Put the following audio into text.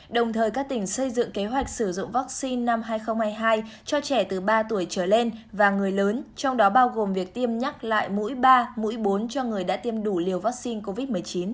đồng thời các tỉnh xây dựng kế hoạch sử dụng vaccine năm hai nghìn hai mươi hai cho trẻ từ ba tuổi trở lên và người lớn trong đó bao gồm việc tiêm nhắc lại mũi ba mũi bốn cho người đã tiêm đủ liều vaccine covid một mươi chín